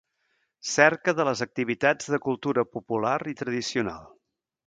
Cerca de les activitats de cultura popular i tradicional.